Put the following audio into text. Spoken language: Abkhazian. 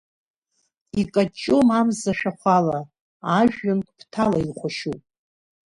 Икаҷҷом амза шәахәала, ажәҩангә ԥҭала ихәашьуп.